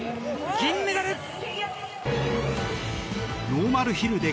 銀メダル！